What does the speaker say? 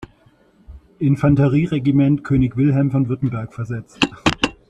Infanterie-Regiment „König Wilhelm von Württemberg“ versetzt.